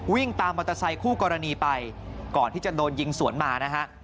วิ่งตามมอเตอร์ไซคู่กรณีไปก่อนที่จะโดนยิงสวนมานะฮะ